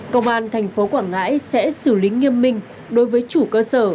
công an tp quảng ngãi sẽ xử lý nghiêm minh đối với chủ cơ sở